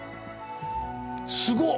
すごっ。